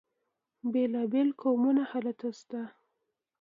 بیلا بیل قومونه هلته شته.